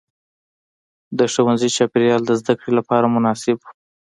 د ښوونځي چاپېریال د زده کړې لپاره مناسب و.